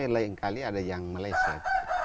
lain kali ada yang meleset